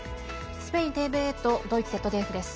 スペインＴＶＥとドイツＺＤＦです。